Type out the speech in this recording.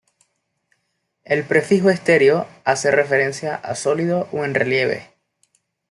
El prefijo estereo- hace referencia a sólido o en relieve.